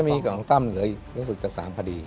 ก็มีกับของตั้มเหลืออย่างสุขจัดสารพอดี